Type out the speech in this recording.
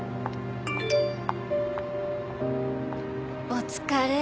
「お疲れ。